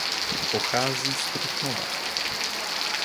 Pochází z Trutnova.